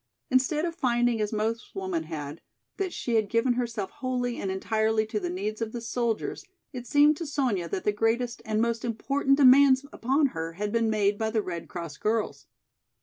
Instead of finding as most women had, that she had given herself wholly and entirely to the needs of the soldiers, it seemed to Sonya that the greatest and most important demands upon her had been made by the Red Cross girls.